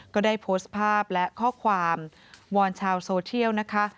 ก็ได้โพสต์ภาพและข้อความวอนชาวโซเชียลนะคะ